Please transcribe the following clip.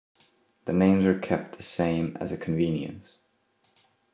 The names are kept the same as a convenience.